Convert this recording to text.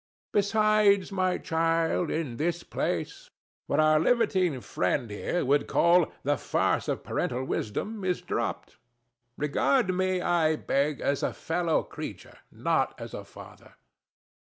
Besides, my child, in this place, what our libertine friend here would call the farce of parental wisdom is dropped. Regard me, I beg, as a fellow creature, not as a father.